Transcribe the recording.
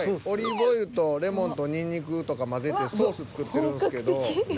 オリーブオイルとレモンとニンニクとか混ぜてソース作ってるんですけど。